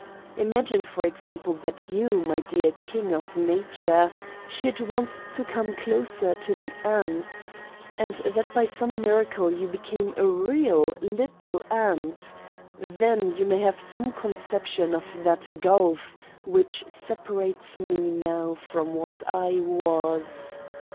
Imagine, for example, that you, my dear King of Nature, should want to come closer to the ants, and that by some miracle you became a real little ant, then you may have some 5 Satan's Diary conception of that gulf which separates Me now from what I was.